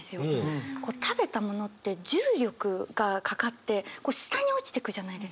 食べたものって重力がかかって下に落ちてくじゃないですか。